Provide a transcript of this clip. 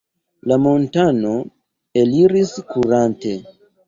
La montano eliris kurante.